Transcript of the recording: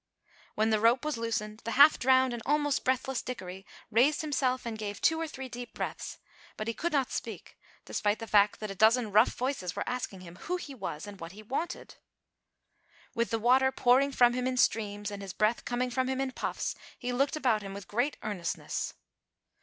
When the rope was loosened the half drowned and almost breathless Dickory raised himself and gave two or three deep breaths, but he could not speak, despite the fact that a dozen rough voices were asking him who he was and what he wanted. With the water pouring from him in streams, and his breath coming from him in puffs, he looked about him with great earnestness.